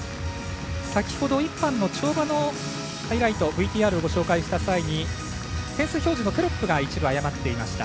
先ほど１班の跳馬のハイライトＶＴＲをご紹介した際に点数表示のテロップが一部、誤っていました。